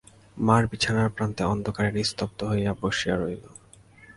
মার বিছানার প্রান্তে অন্ধকারে নিস্তব্ধ হইয়া বসিয়া রহিল।